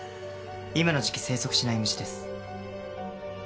今の時期生息しない虫です。